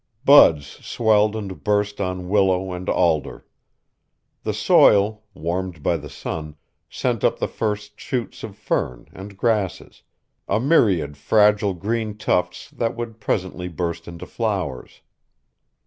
Buds swelled and burst on willow and alder. The soil, warmed by the sun, sent up the first shoots of fern and grasses, a myriad fragile green tufts that would presently burst into flowers.